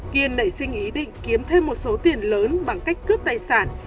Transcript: kiên nảy sinh ý định kiếm thêm một số tiền lớn bằng cách cướp tài sản